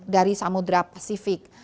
dari samudera pasifik